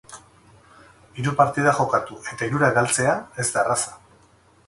Hiru partida jokatu eta hirurak galtzea, ez da erraza.